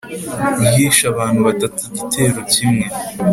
ryishe abantu batatu igitero kimwe